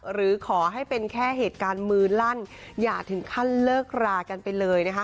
หรือขอให้เป็นแค่เหตุการณ์มือลั่นอย่าถึงขั้นเลิกรากันไปเลยนะคะ